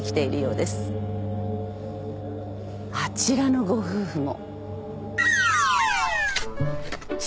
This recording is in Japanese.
あちらのご夫婦も。